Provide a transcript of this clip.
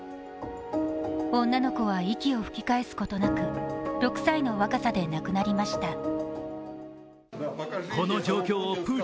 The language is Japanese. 女の子は息を吹き返すことなく、６歳の若さで亡くなりました。